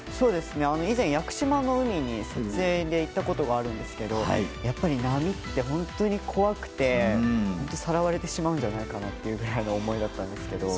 以前、屋久島の海に撮影で行ったことがあるんですがやっぱり波って本当に怖くてさらわれてしまうんじゃないかというくらいの思いだったんですけど。